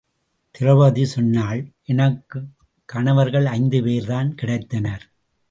திரெளபதி சொன்னாள் எனக்குக் கணவர்கள் ஐந்துபேர்தான் கிடைத்தனர்.